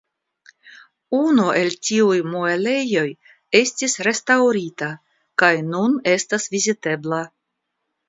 Unu el tiuj muelejoj estis restaŭrita kaj nun estas vizitebla.